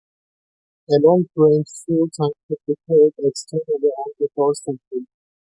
A long-range fuel tank could be carried externally on the dorsal hull.